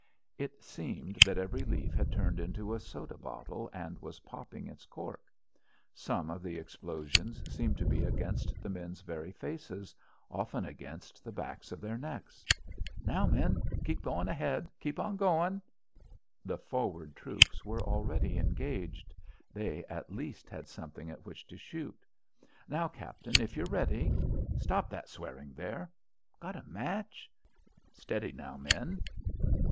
It seemed that every leaf had turned into a soda bottle and was popping its cork. Some of the explosions seemed to be against the men's very faces, others against the backs of their necks. "Now, men! Keep goin' ahead. Keep on goin'." The forward troops were already engaged. They, at least, had something at which to shoot. "Now, captain, if you're ready." "Stop that swearing there." "Got a match?" "Steady, now, men."